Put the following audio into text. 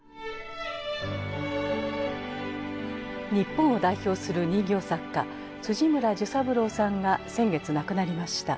日本を代表する人形作家村寿三郎さんが先月亡くなりました。